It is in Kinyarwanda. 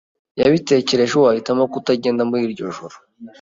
Yabitekerejeho, ahitamo kutagenda muri iryojoro.